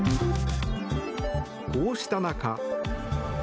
こうした中。